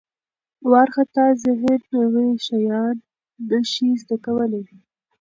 وارخطا ذهن نوي شیان نه شي زده کولی.